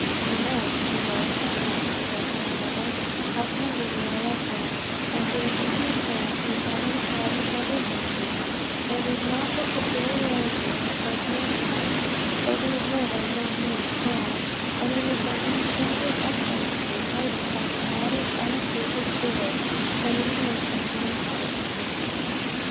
"You know," she wrote long afterward to her mother, "how tenderly I loved him;" and to an intimate friend, he said in a private conversation, "It was not the superiority of her personal charms, though these were by no means small, but it was her intrinsic excellence, heightened by her modest, unobtrusive spirit, that endeared her to my heart."